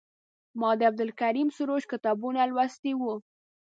ما د عبدالکریم سروش کتابونه لوستي وو.